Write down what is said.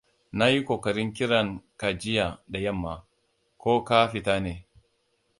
Nayi kokarin kiran ka jiya da yamma. Ko ka fita ne?